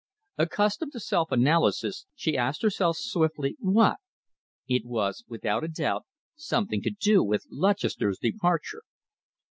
Accustomed to self analysis, she asked herself swiftly what? It was, without a doubt, something to do with Lutchester's departure.